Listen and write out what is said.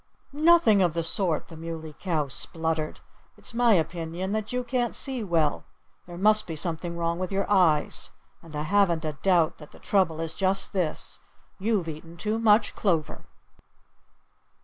"Nothing of the sort!" the Muley Cow spluttered. "It's my opinion that you can't see well. There must be something wrong with your eyes. And I haven't a doubt that the trouble is just this: You've eaten too much clover."